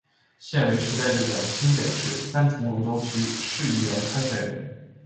现为时代力量新北市三重芦洲区市议员参选人。